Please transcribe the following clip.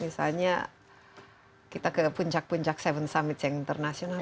maksudnya kita ke puncak puncak seven summit yang internasional